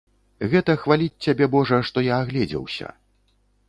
Гэта хваліць цябе, божа, што я агледзеўся.